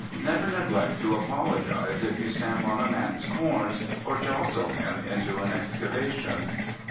Never neglect to apologize if you stamp on a man's corns, or jostle him into an excavation.